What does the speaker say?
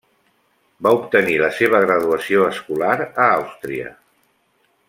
Va obtenir la seva graduació escolar a Àustria.